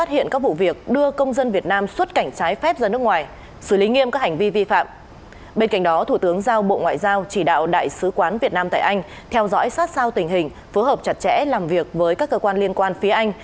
theo dõi sát sao tình hình phù hợp chặt chẽ làm việc với các cơ quan liên quan phía anh